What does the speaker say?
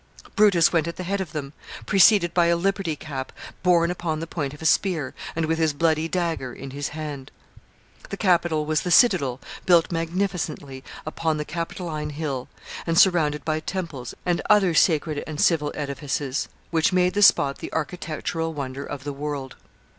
Brutus went at the head of them, preceded by a liberty cap borne upon the point of a spear, and with his bloody dagger in his hand. The Capitol was the citadel, built magnificently upon the Capitoline Hill, and surrounded by temples, and other sacred and civil edifices, which made the spot the architectural wonder of the world.